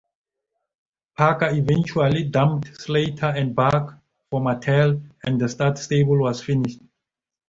Parker eventually dumped Slater and Buck for Martel and the Stud Stable was finished.